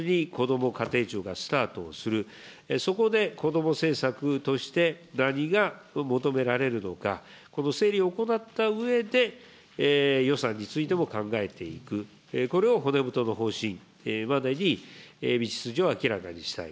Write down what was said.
そして、来年度４月にこども家庭庁がスタートする、そこで、こども政策として、何が求められるのか、この整理を行ったうえで、予算についても考えていく、これを骨太の方針までに道筋を明らかにしたい。